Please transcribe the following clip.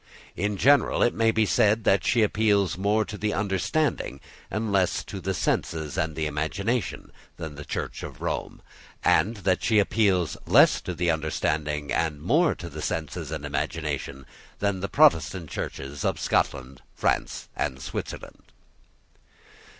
In general it may be said that she appeals more to the understanding, and less to the senses and the imagination, than the Church of Rome, and that she appeals less to the understanding, and more to the senses and imagination, than the Protestant Churches of Scotland, France, and Switzerland.